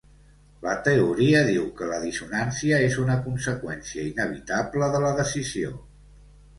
La teoria diu que la dissonància és una conseqüència inevitable de la decisió.